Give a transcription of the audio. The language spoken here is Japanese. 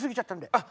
あっ。